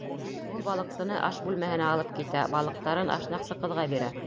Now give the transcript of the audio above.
Ул балыҡсыны аш бүлмәһенә алып китә, балыҡтарын ашнаҡсы ҡыҙға бирә: